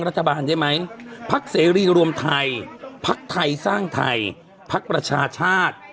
รัฐบาลได้ไหมพักเสรีรวมไทยพักไทยสร้างไทยพักประชาชาติ